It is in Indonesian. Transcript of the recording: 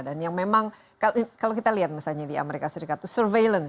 dan yang memang kalau kita lihat misalnya di amerika serikat itu surveillance